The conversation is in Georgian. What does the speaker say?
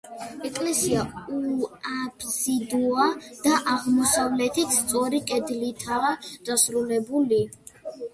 ეკლესია უაფსიდოა და აღმოსავლეთით სწორი კედლითაა დასრულებული.